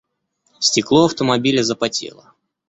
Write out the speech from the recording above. Стекло автомобиля запотело.